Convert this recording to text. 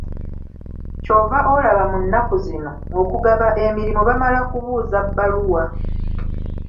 Kyova olaba mu nnaku zino, okugaba emirimu bamala kubuuza bbaluwa.